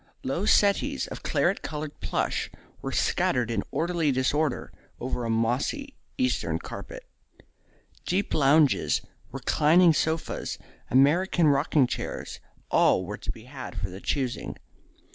Low settees of claret coloured plush were scattered in orderly disorder over a mossy Eastern carpet. Deep lounges, reclining sofas, American rocking chairs, all were to be had for the choosing.